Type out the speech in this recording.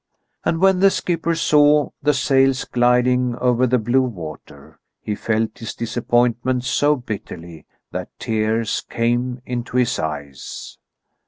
And when the skipper saw the sails gliding over the blue water, he felt his disappointment so bitterly that tears came into his eyes.